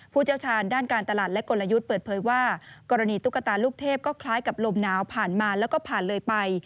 ผู้เชี่ยวชาญด้านการตลาดและกลยุทธ์เปิดเผยว่ากรณีตุ๊กตาลูกเทพก็คล้ายกับลมหนาวผ่านมาแล้วก็ผ่านเลยไป